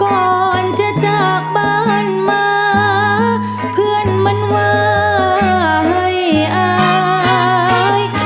ก่อนจะจากบ้านมาเพื่อนมันว่าให้อาย